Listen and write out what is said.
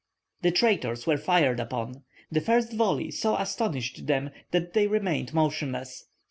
The traitors were fired upon. The first volley so astonished them that they remained motionless.